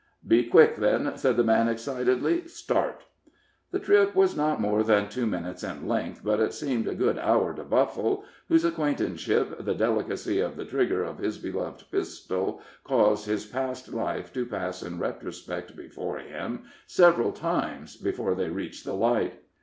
"Be quick, then," said the man, excitedly; "start!" The trip was not more than two minutes in length, but it seemed a good hour to Buffle, whose acquaintanceship the delicacy of the trigger of his beloved pistol caused his past life to pass in retrospect before him several times before they reached the light.